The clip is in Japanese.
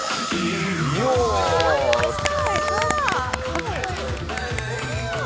決まりました！